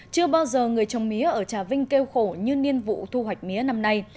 chưa bao giờ người trồng mía ở trà vinh kêu khổ như niên vụ thu hoạch mía năm nay